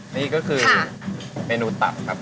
นี่ก็คือเมนูตับครับ